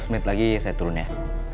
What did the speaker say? lima belas menit lagi saya turun ya